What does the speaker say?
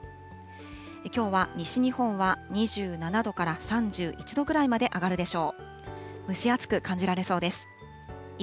きょうは西日本は２７度から３１度くらいまで上がるでしょう。